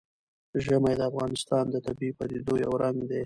ژمی د افغانستان د طبیعي پدیدو یو رنګ دی.